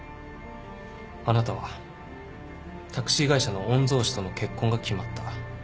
あなたはタクシー会社の御曹司との結婚が決まった。